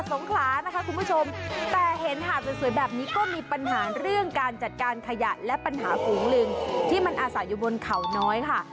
งขลานะคะคุณผู้ชมแต่เห็นหาดสวยแบบนี้ก็มีปัญหาเรื่องการจัดการขยะและปัญหาฝูงลิงที่มันอาศัยอยู่บนเขาน้อยค่ะ